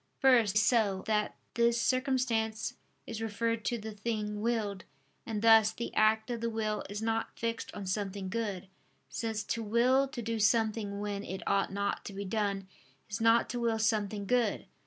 First, so that this circumstance is referred to the thing willed. And thus the act of the will is not fixed on something good: since to will to do something when it ought not to be done, is not to will something good.